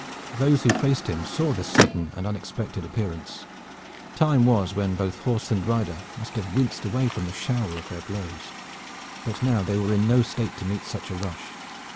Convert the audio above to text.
Those who faced him saw this sudden and unexpected appearance. Time was when both horse and rider must have winced away from the shower of their blows. But now they were in no state to meet such a rush.